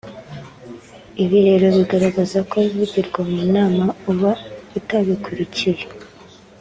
Ibi rero bigaragaza ko ibivugirwa mu nama uba utabikurikiye